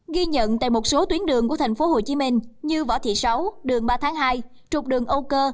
ghi nhận tại một số tuyến đường của tp hcm như võ thị sáu đường ba tháng hai trục đường âu cơ